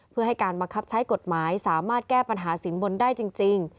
เพื่อให้การบังคับใช้กฎหมายสามารถแก้ปัญหาสินบนได้จริง